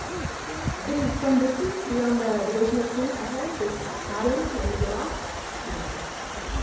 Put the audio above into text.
"It is some distance beyond the divisional point ahead this cabin where you get off?" he asked.